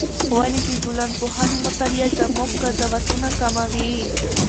ولې د ټولنپوهنې مطالعه زموږ قضاوتونه کموي؟